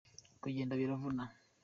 Kugenda biravuna.